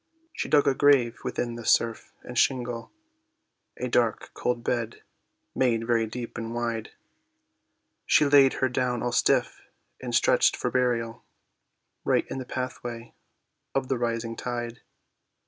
She dug a grave within the surf and shingle, A dark, cold bed, made very deep and wide, She laid her down all stiff and stretched for burial, Right in the pathway of the rising tide.